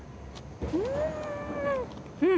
うん！